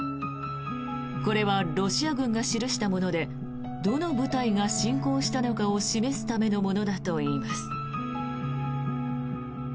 これはロシア軍が記したものでどの部隊が侵攻したのかを示すためのものだといいます。